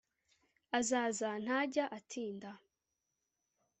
azaza ntajya atinda